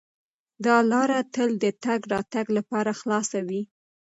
دا لاره تل د تګ راتګ لپاره خلاصه وي.